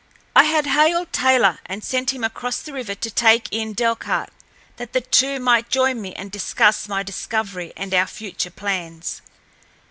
I had hailed Taylor, and sent him across the river to take in Delcarte, that the two might join me and discuss my discovery and our future plans.